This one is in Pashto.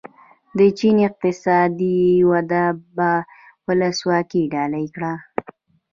د چین اقتصادي وده به ولسواکي ډالۍ کړي.